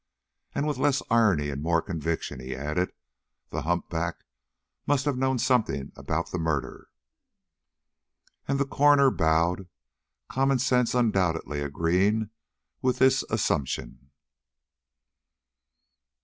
And with less irony and more conviction, he added: "The humpback must have known something about the murder." And the coroner bowed; common sense undoubtedly agreeing with this assumption.